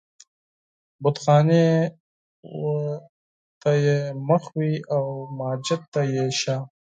بتخانې و ته يې مخ وي و مسجد و ته يې شا